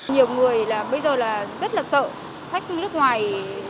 nhiều người bây giờ rất là sợ khách nước ngoài